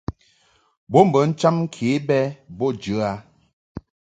Bo bə cham ke bɛ bo jə a.